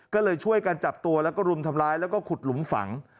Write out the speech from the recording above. ก็เลยช่วยกันจับตัวแล้วก็รุมทำร้ายแล้วก็ขุดหลุมฝัง